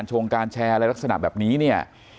ช่วงการแชร์อะไรลักษณะแบบนี้